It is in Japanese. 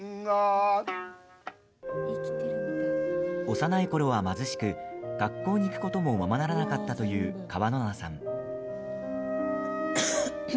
幼いころは貧しく学校に行くこともままならなかったという川野名さん。